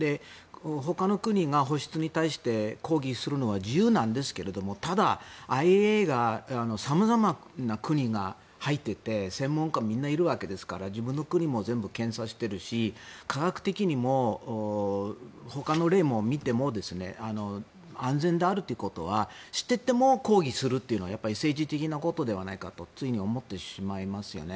ほかの国が放出に対して抗議するのは自由なんですがただ、ＩＡＥＡには様々な国が入っていて専門家みんないるわけですから自分の国も全部検査しているし科学的にもほかの例も見ても安全であるということは知っていても抗議するというのはやっぱり政治的なことではないかとつい思ってしまいますよね。